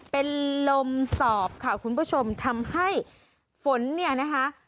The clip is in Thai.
เป็นลมสอบค่ะคุณผู้ชมทำให้ฝนเนี่ยนะคะ